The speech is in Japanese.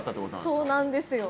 そうなんですよ。